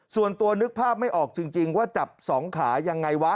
ส่วนตัวนึกภาพไม่ออกจริงว่าจับสองขายังไงวะ